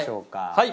はい。